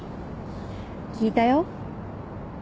聞いたよ。